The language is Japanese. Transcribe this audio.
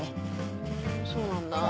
へぇそうなんだ。